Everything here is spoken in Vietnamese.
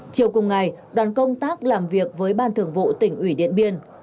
chiều cùng ngày đoàn công tác làm việc với ban thường vụ tỉnh ủy điện biên